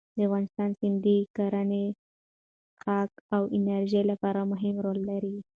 د افغانستان سیندونه د کرنې، څښاک او انرژۍ لپاره مهم رول لري.